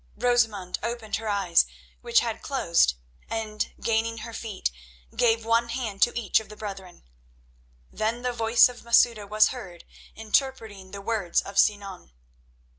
Rosamund opened her eyes, which had closed, and, gaining her feet, gave one hand to each of the brethren. Then the voice of Masouda was heard interpreting the words of Sinan.